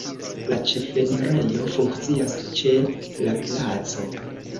La ĉefenirejo funkcias ĉe la placo.